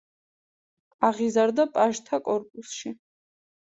აღიზარდა პაჟთა კორპუსში.